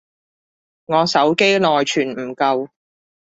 我手機內存唔夠